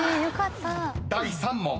［第３問］